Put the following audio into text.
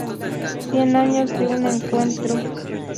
Cien años de un encuentro".